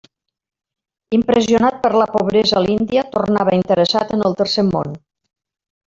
Impressionat per la pobresa a l'Índia, tornava interessat en el Tercer món.